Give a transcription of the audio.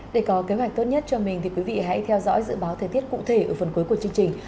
để có kế hoạch tốt nhất cho mình thì quý vị hãy theo dõi dự báo thời tiết cụ thể ở phần cuối của chương trình